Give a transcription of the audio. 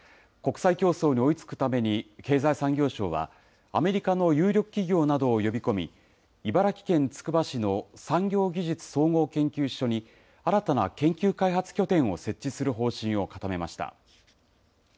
国際競争に追いつくために経済産業省はアメリカの有力企業などを呼び込み、茨城県つくば市の産業技術総合研究所に、新たな研究開発拠点を設置する方針を固めました。